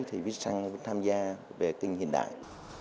thì viettel săng cũng tham gia về kinh hiện đại